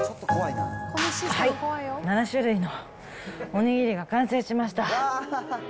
はい、７種類のおにぎりが完成しました。